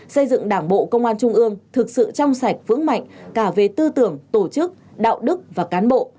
xây dựng đảng bộ công an trung ương thực sự trong sạch vững mạnh cả về tư tưởng tổ chức đạo đức và cán bộ